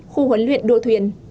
khu huấn luyện đua thuyền